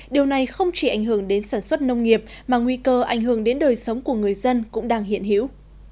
điều này không chỉ ảnh hưởng đến sản xuất nông nghiệp mà nguy cơ ảnh hưởng đến đời sống của người dân cũng đang hiện hiểu